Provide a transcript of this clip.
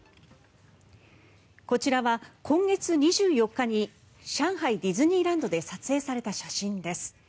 こちらは、今月２４日に上海ディズニーランドで撮影された写真です。